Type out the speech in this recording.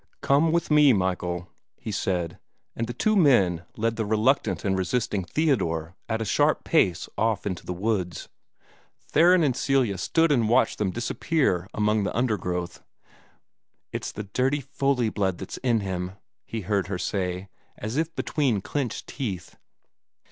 "Come with me, Michael!" he said, and the two men led the reluctant and resisting Theodore at a sharp pace off into the woods. Theron and Celia stood and watched them disappear among the undergrowth. "It's the dirty Foley blood that's in him," he heard her say, as if between clenched teeth.